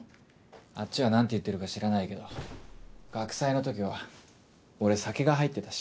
あっちは何て言ってるか知らないけど学祭の時は俺酒が入ってたし。